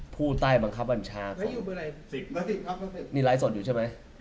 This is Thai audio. ผู้ใต้บังคับบัญชานี่ไลฟ์สดอยู่ใช่ไหม